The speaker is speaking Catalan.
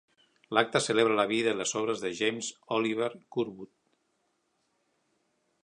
L'acte celebra la vida i les obres de James Oliver Curwood.